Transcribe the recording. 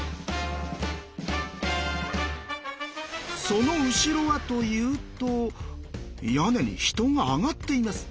その後ろはというと屋根に人が上がっています。